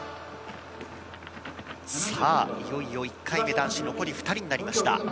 いよいよ１回目、男子残り２人となりました。